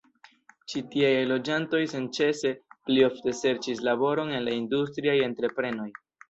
Ĉi tieaj loĝantoj senĉese pli ofte serĉis laboron en la industriaj entreprenoj.